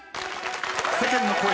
［世間の声